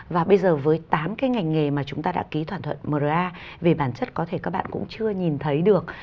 và bây giờ với tám cái ngành nghề mà chúng ta đã ký thỏa thuận mra về bản chất có thể các bạn cũng chưa nhìn thấy được